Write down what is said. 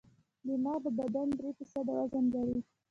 دماغ د بدن درې فیصده وزن لري.